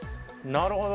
なるほど！